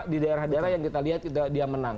di daerah daerah yang kita lihat dia menang